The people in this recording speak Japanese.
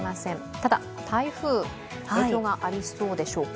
ただ台風、影響がありそうでしょうか？